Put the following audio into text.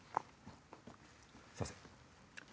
すいません。